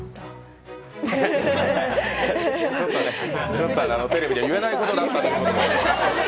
ちょっとテレビでは言えなかったことということで！